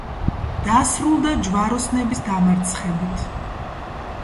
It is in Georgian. დასრულდა ჯვაროსნების დამარცხებით.